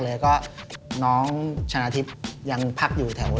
แล้วก็น้องชนะทิพย์ยังพักอยู่แถว